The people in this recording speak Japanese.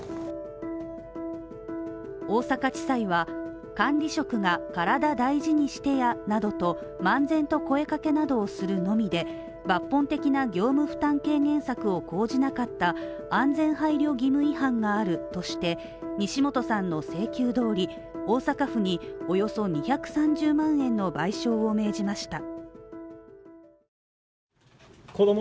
大阪地裁は管理職が体、大事にしてやなどと漫然と声かけなどをするのみで抜本的な業務負担軽減策を講じなかった安全配慮義務違反があるとして西本さんの請求どおり大阪府におよそ２３０万円の賠償を命じました。